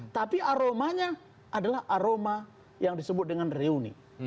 tapi aromanya adalah aroma yang disebut dengan reuni